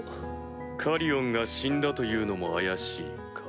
カリオンが死んだというのも怪しいか？